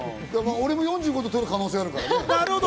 俺も４５度、取る可能性あるからね。